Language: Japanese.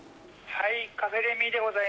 はい。